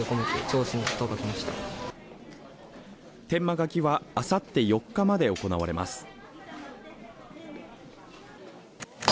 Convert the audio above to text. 天満書はあさって４日まで行われます。